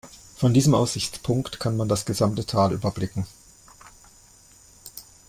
Von diesem Aussichtspunkt kann man das gesamte Tal überblicken.